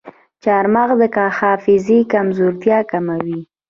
چارمغز د حافظې کمزورتیا کموي.